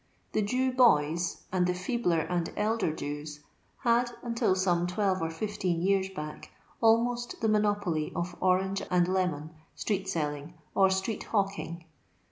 The Jew boys, and the feebler and elder Jews, had, until some twelve or fifteen years back, almost the monopoly of orange and lemon street selling, or street hawk ing.